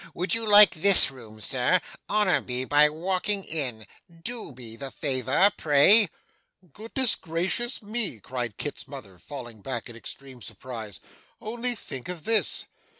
Would you like this room, sir? Honour me by walking in. Do me the favour, pray.' 'Goodness gracious me!' cried Kit's mother, falling back in extreme surprise, 'only think of this!